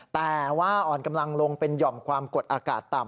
แต่ว่าอ่อนกำลังลงเป็นหย่อมความกดอากาศต่ำ